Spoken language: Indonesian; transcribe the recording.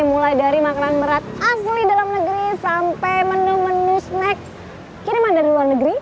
mulai dari makanan berat asli dalam negeri sampai menu menu snacks kiriman dari luar negeri